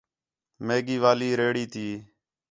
میگی والی ریڑھی تی